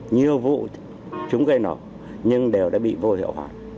nhiều vụ chúng gây nổ nhưng đều đã bị vô hiệu hóa